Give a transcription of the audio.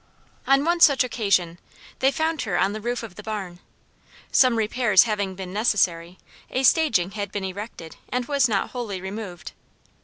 On one such occasion, they found her on the roof of the barn. Some repairs having been necessary, a staging had been erected, and was not wholly removed.